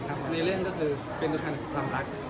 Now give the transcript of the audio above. และบทบรรยีในเรื่องเป็นตัวจากความรัก